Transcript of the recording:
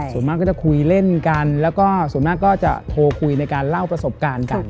ส่วนมากก็จะคุยเล่นกันแล้วก็ส่วนมากก็จะโทรคุยในการเล่าประสบการณ์กัน